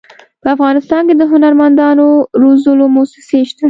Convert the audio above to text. په افغانستان کې د هنرمندانو روزلو مؤسسې شته.